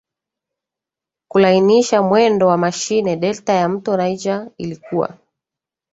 kulainisha mwendo wa mashine Delta ya mto Niger ilikuwa